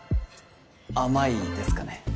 甘いですかね？